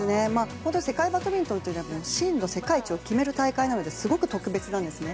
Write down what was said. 本当、世界バドミントンって真の世界一を決める大会なのですごく特別なんですね。